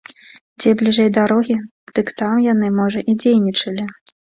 Дзе бліжэй дарогі, дык там яны, можа, і дзейнічалі.